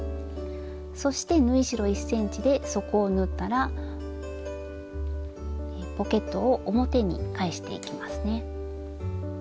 そして縫い代１ｃｍで底を縫ったらポケットを表に返していきますね。